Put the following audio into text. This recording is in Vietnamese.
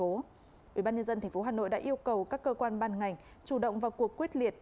ủy ban nhân dân tp hà nội đã yêu cầu các cơ quan ban ngành chủ động vào cuộc quyết liệt